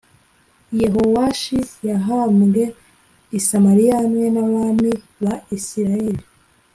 Yehowashi yahambwe i Samariya hamwe n abami ba Isirayeli